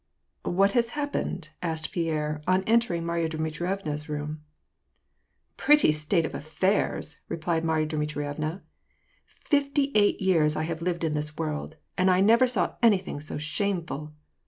" What has happened ?" asked Pierre, on entering Marya Dmitrievna's room. " Pretty state of affairs !" replied Marya Dmitrievna. " Fifty eight years have I lived in this world, and I never saw any thing so shameful."